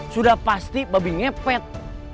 sudah pasti babi nyepet